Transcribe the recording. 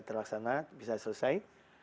terlaksana bisa selesai